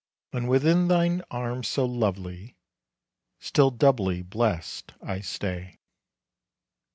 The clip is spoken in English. And within thine arms so lovely, Still doubly blest I stay.